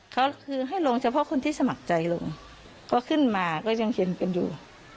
ก็คือให้ลงเฉพาะคนที่สมัครใจลงก็ขึ้นมาก็ยังเห็นกันอยู่